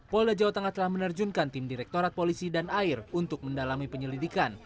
polda jawa tengah telah menerjunkan tim direktorat polisi dan air untuk mendalami penyelidikan